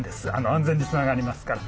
安全につながりますから。